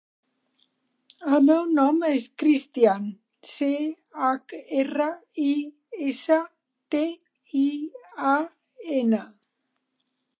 El meu nom és Christian: ce, hac, erra, i, essa, te, i, a, ena.